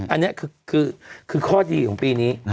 อันนี้คือข้อดีของปีนี้